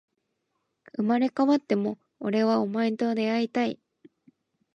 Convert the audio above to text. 生まれ変わっても、俺はお前と出会いたい